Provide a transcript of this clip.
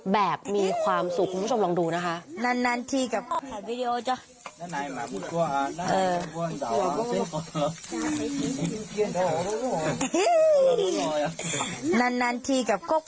แบบมีความสุขคุณผู้ชมลองดูนะคะ